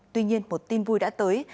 tuy nhiên một tin vui đã tới